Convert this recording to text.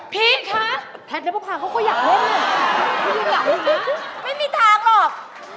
พีชคะแพทย์เล็บเวิร์ดภาคเขาก็อยากเล่นน่ะไม่มีทางหรอก